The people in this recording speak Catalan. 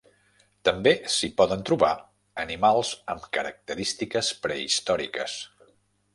També s'hi poden trobar animals amb característiques prehistòriques.